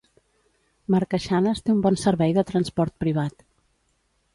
Marqueixanes té un bon servei de transport privat.